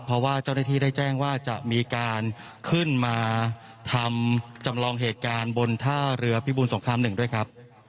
เพราะว่าเจ้าหน้าที่ได้แจ้งว่าจะมีการขึ้นมาทำจำลองเหตุการณ์บนท่าเรือพิบูรสงครามหนึ่งด้วยครับ